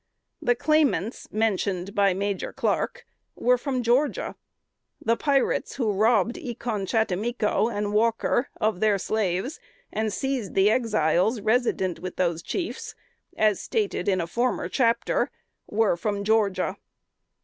The claimants mentioned by Major Clark, were from Georgia. The pirates who robbed E con chattimico and Walker of their slaves and seized the Exiles resident with those chiefs, as stated in a former chapter, were from Georgia.